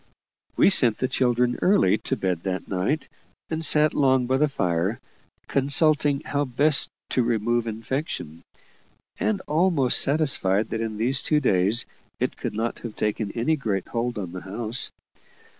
We sent the children early to bed that night, and sat long by the fire, consulting how best to remove infection, and almost satisfied that in these two days it could not have taken any great hold on the house.